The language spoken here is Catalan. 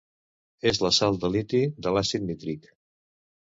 És la sal de liti de l'àcid nítric.